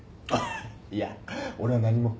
いや俺は何も。